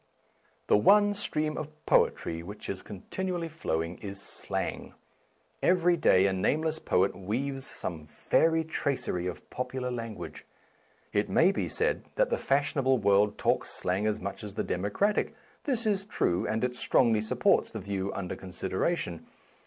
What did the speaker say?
The one stream of poetry which is con tinually flowing is slang. Every day a nameless poet weaves some fairy tracery of popular language. It may be said that the fashionable world talks slang as much as the democratic ; this is true, and it strongly supports the view under consideration.